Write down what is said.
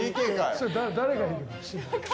それ誰がいるの？